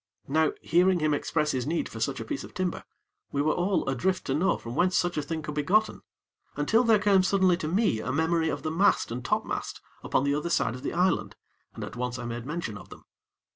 Now hearing him express his need for such a piece of timber, we were all adrift to know from whence such a thing could be gotten, until there came suddenly to me a memory of the mast and topmast upon the other side of the island, and at once I made mention of them.